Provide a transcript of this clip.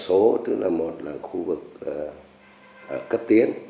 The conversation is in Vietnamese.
xin chào các bạn